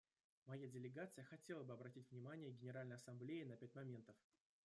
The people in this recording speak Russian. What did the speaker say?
Моя делегация хотела бы обратить внимание Генеральной Ассамблеи на пять моментов.